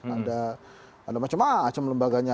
ada macam macam lembaganya